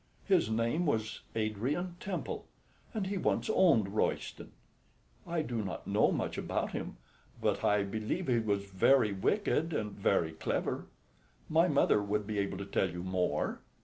His name was Adrian Temple, and he once owned Royston. I do not know much about him, but I believe he was very wicked and very clever. My mother would be able to tell you more.